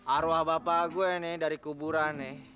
arwah bapak gue nih dari kuburan nih